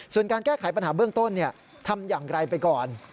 ส่วนการแก้ไขปัญหาเบื้องต้นทำอย่างไรไปก่อน